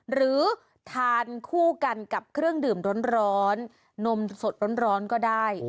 หรือทานคู่กันกับเครื่องดื่มร้อนนมสดร้อนก็ได้